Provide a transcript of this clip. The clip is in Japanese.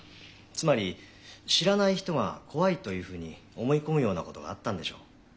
つまり知らない人が怖いというふうに思い込むようなことがあったんでしょう。